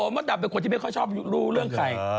มาสดับเป็นคนที่ไม่ค่อยชอบรู้ใคร